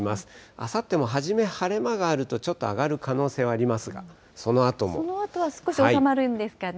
あさっても、初め晴れ間があると、ちょっと上がる可能性はありますが、そのあそのあとは少し収まるんですかね。